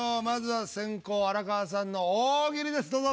まずは先攻荒川さんの大喜利です。